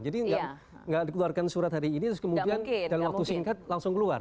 jadi tidak dikeluarkan surat hari ini terus kemudian dalam waktu singkat langsung keluar